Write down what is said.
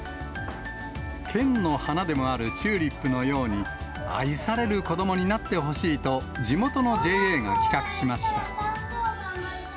県の花でもあるチューリップのように、愛される子どもになってほしいと、地元のＪＡが企画しました。